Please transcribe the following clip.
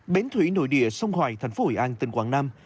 bến thủy nội địa sông hoài thành phố hội an tỉnh quảng nam